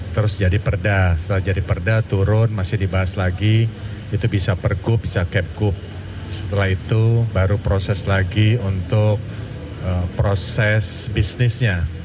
terus jadi perda setelah jadi perda turun masih dibahas lagi itu bisa pergub bisa kepku setelah itu baru proses lagi untuk proses bisnisnya